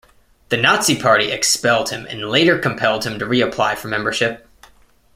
The Nazi Party expelled him and later compelled him to reapply for membership.